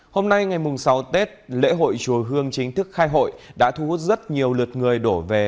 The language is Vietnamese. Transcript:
hôm nay ngày sáu tết lễ hội chùa hương chính thức khai hội đã thu hút rất nhiều lượt người đổ về